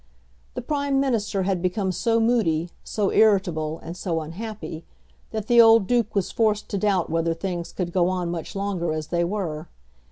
The Prime Minister had become so moody, so irritable, and so unhappy, that the old Duke was forced to doubt whether things could go on much longer as they were.